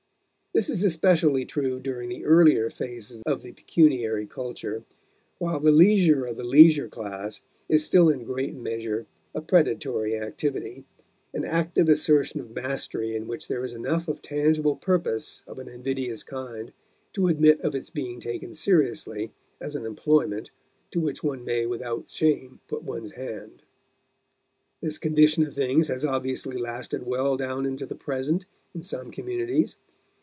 This is especially true during the earlier phases of the pecuniary culture, while the leisure of the leisure class is still in great measure a predatory activity, an active assertion of mastery in which there is enough of tangible purpose of an invidious kind to admit of its being taken seriously as an employment to which one may without shame put one's hand. This condition of things has obviously lasted well down into the present in some communities.